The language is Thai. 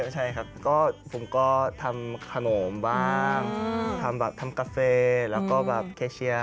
ไม่ใช่ครับก็ผมก็ทำขนมบ้างทำกาเฟ่แล้วก็แคเชีย